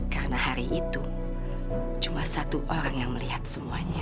karena hari itu cuma satu orang yang melihat semuanya